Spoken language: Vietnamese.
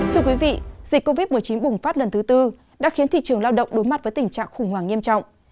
thưa quý vị dịch covid một mươi chín bùng phát lần thứ tư đã khiến thị trường lao động đối mặt với tình trạng khủng hoảng nghiêm trọng